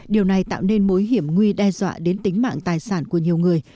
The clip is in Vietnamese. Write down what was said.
điều này tạo nên mối hiểm nguy đe dọa đến tính mạng tài sản của nhiều người